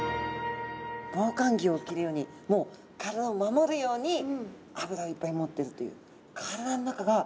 防寒着を着るようにもう体を守るように脂をいっぱい持ってるという。